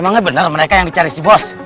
emangnya bener mereka yang dicari si bos